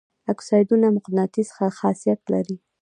اکسایدونه مقناطیسي خاصیت لري.